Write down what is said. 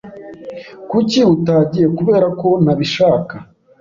"Kuki utagiye?" "Kubera ko ntabishaka."